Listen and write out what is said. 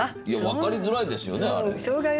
いや分かりづらいですよねあれ。